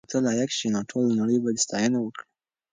که ته لایق شې نو ټوله نړۍ به دې ستاینه وکړي.